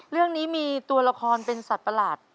เรื่องนี้มีตัวละครเป็นสัตว์ประหลาด